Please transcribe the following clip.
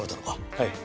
はい。